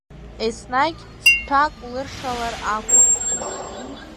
Еснагь цҭәак лыршалар акәын.